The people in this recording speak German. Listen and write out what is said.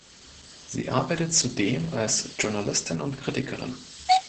Sie arbeitet zudem als Journalistin und Kritikerin.